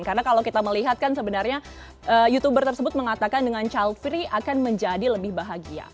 karena kalau kita melihat kan sebenarnya youtuber tersebut mengatakan dengan childfree akan menjadi lebih bahagia